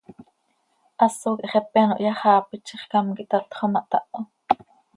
Haso quih xepe ano hyaxaapit, zixcám quih tatxo ma, htaho.